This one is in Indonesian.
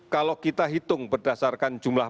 kalau kita hitung berdasarkan jumlah